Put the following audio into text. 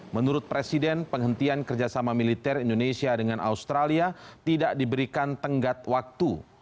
menurut presiden penghentian kerjasama militer indonesia dengan australia tidak diberikan tenggat waktu